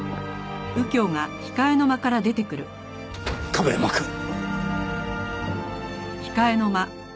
亀山くん！